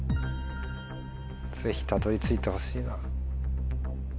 ぜひたどり着いてほしいな。